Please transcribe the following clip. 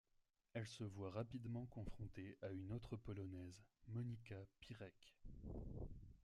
Elle se voit rapidement confrontée à une autre Polonaise, Monika Pyrek.